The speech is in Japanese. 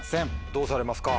どうされますか？